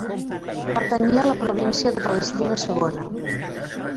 Pertanyia a la província de Palestina Segona.